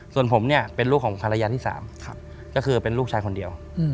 ส่วนผมเนี่ยเป็นลูกของภรรยาที่๓ก็คือเป็นลูกชายคนเดียว